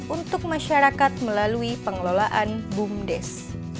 untuk masyarakat melalui pengelolaan bumdes